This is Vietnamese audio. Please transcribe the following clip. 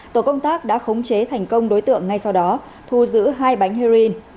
tổ công tác đã khống chế thành công đối tượng ngay sau đó thu giữ hai bánh heroin